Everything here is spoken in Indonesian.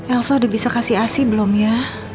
elso udah bisa kasih asih belum ya